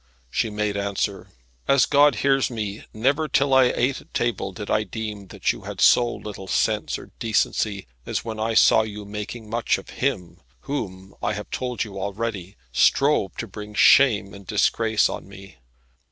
She made answer, "As God hears me, never till I ate at table did I deem that you had so little sense or decency, as when I saw you making much of him, who, I have told you already, strove to bring shame and disgrace on me.